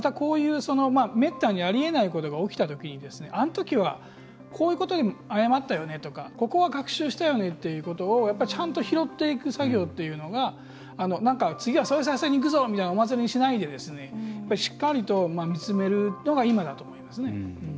めったにありえないことが起きたときにあのときは、こういうことを誤ったよねとかここは学習したよねということをちゃんと拾っていく作業というのが次は総裁選にいくぞというお祭りにしないでしっかりと見つめるのがいまだと思いますね。